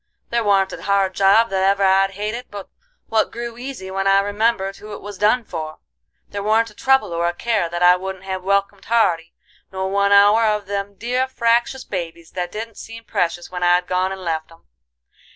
There warn't a hard job that ever I'd hated but what grew easy when I remembered who it was done for; there warn't a trouble or a care that I wouldn't have welcomed hearty, nor one hour of them dear fractious babies that didn't seem precious when I'd gone and left 'em.